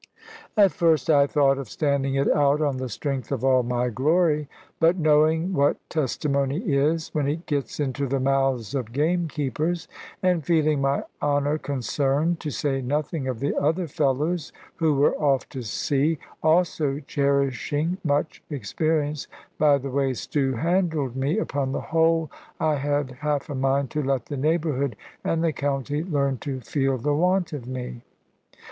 At first I thought of standing it out on the strength of all my glory; but knowing what testimony is, when it gets into the mouths of gamekeepers, and feeling my honour concerned, to say nothing of the other fellows (who were off to sea), also cherishing much experience of the way Stew handled me, upon the whole I had half a mind to let the neighbourhood and the county learn to feel the want of me.